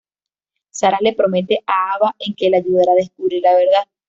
Sara le promete a Ava en que le ayudará a descubrir la verdad.